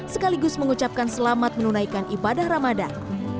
sekaligus mengucapkan selamat menunaikan ibadah ramadan